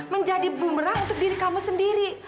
menjadi bumerang untuk diri kamu sendiri